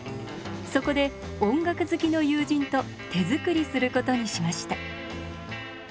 そこで音楽好きの友人と手作りすることにしました。